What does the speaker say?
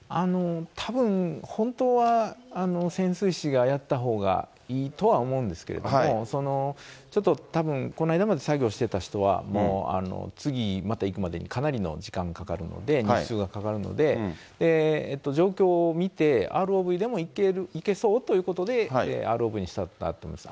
たぶん本当は潜水士がやったほうがいいとは思うんですけれども、ちょっとたぶん、この間まで作業してた人は、もう次また行くまでにかなりの時間がかかるので、日数がかかるので、状況を見て、ＲＯＶでもいけそうということで、ＲＯＶにしたんだと思います。